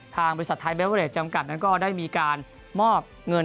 ทางบริษัทไทยเบเวอเรดจำกัดนั้นก็ได้มีการมอบเงิน